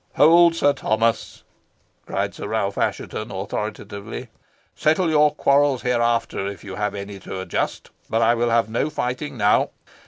"Hold, Sir Thomas," cried Sir Ralph Assheton, authoritatively. "Settle your quarrels hereafter, if you have any to adjust; but I will have no fighting now.